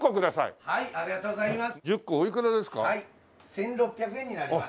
１６００円になります。